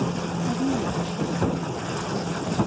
Have you watched many dawns?